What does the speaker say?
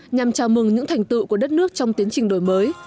nhằm chào mừng những thành tựu của đất nước trong tiến trình đổi mới